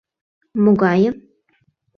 Могайым?..